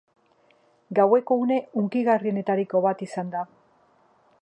Gaueko une hunkigarrienetariko bat izan da.